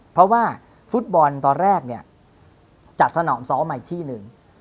เพราะว่าฟุตบอลตอนแรกเนี่ยจัดสนามซ้อมมาอีกที่หนึ่ง